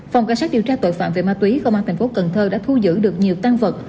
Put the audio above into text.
phòng cảnh sát điều tra tội phạm về ma túy công an tp cn đã thu giữ được nhiều tăng vật